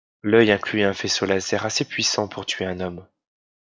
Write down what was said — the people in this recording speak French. L'œil incluait un faisceau laser assez puissant pour tuer un homme.